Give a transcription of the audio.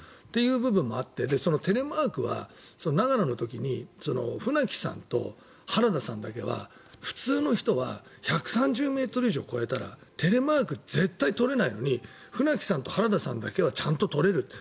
という部分もあってテレマークは長野の時に船木さんと原田さんだけは普通の人は１３０ｍ超えたらテレマーク絶対取れないのに船木さんと原田さんだけはちゃんと取れる。